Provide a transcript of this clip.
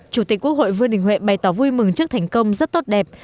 chủ tịch quốc hội vương đình huệ bày tỏ vui mừng trước thành công rất tốt đẹp